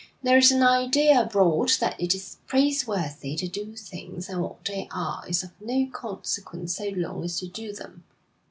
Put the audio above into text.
There is an idea abroad that it is praiseworthy to do things, and what they are is of no consequence so long as you do them.